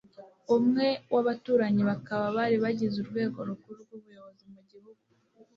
umwe w'abatambyi bakaba bari bagize urwego rukuru rw'ubuyobozi mu gihugu.